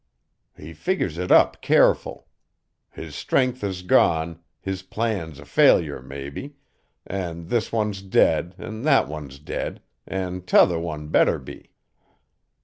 He figgers it up careful. His strength is gone, his plan's a fillure, mebbe, an' this one's dead an' thet one's dead, an' t'other one better be.